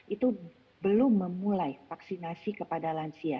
itu belum memulai vaksinasi kepada lansia